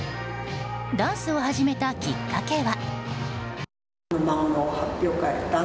ダンスを始めたきっかけは。